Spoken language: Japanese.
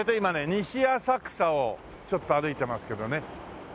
西浅草をちょっと歩いてますけどね。